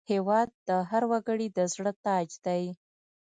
هېواد د هر وګړي د زړه تاج دی.